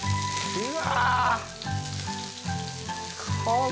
うわ！